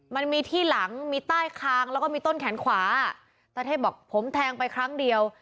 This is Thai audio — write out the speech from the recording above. มันมีที่หลังมีใต้คางแล้วก็มีต้นแขนขวาตาเทพบอกผมแทงไปครั้งเดียว